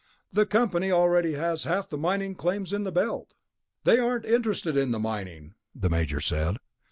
"The company already has half the mining claims in the Belt...." "They aren't interested in the mining," the Major said.